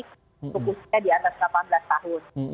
tukusnya di atas delapan belas tahun